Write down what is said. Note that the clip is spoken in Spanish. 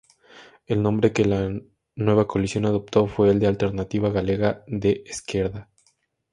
El nombre que la nueva coalición adoptó fue el de Alternativa Galega de Esquerda.